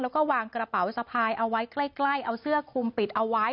แล้วก็วางกระเป๋าสะพายเอาไว้ใกล้เอาเสื้อคุมปิดเอาไว้